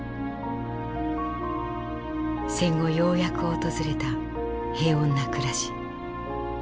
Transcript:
戦後ようやく訪れた平穏な暮らし。